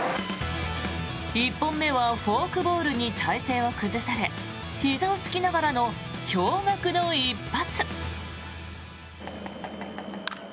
１本目はフォークボールに体勢を崩されひざを突きながらの驚がくの一発。